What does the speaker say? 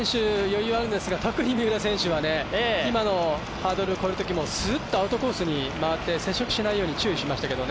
余裕があるんですが特に三浦選手は今のハードル越えるときもすっとアウトコースに回って接触しないように注意しましたけど。